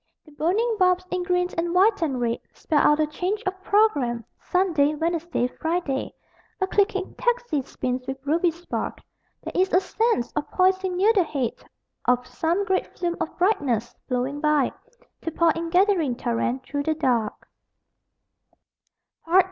The burning bulbs, in green and white and red, Spell out a Change of Program Sun., Wed., Fri., A clicking taxi spins with ruby spark. There is a sense of poising near the head Of some great flume of brightness, flowing by To pour in gathering torrent through the dark.